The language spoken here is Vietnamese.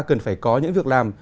cần phải có những việc làm